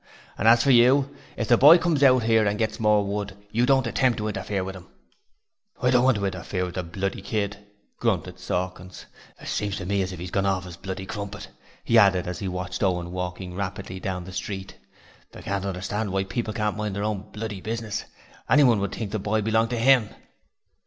And as for you, if the boy comes out here to get more wood, don't you attempt to interfere with him.' 'I don't want to interfere with the bloody kid,' grunted Sawkins. 'It seems to me as if he's gorn orf 'is bloody crumpet,' he added as he watched Owen walking rapidly down the street. 'I can't understand why people can't mind their own bloody business: anyone would think the boy belonged to 'IM.'